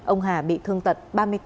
ông hà bị thương tật ba mươi bốn